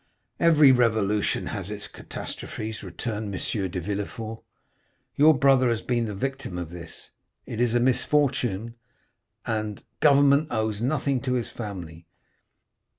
"'Every revolution has its catastrophes,' returned M. de Villefort; 'your brother has been the victim of this. It is a misfortune, and government owes nothing to his family.